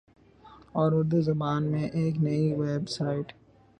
اور اردو زبان میں ایک نئی ویب سائٹ